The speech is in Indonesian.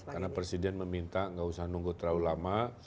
karena presiden meminta gak usah nunggu terlalu lama